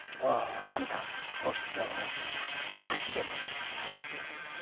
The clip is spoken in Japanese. かみさんおひつを持ってさ足でもってふすま開けるんだよ。